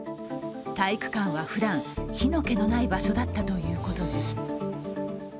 体育館はふだん、火の気のない場所だったということです。